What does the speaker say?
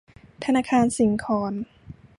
ธนาคารสิงขร